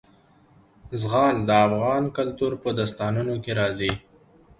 زغال د افغان کلتور په داستانونو کې راځي.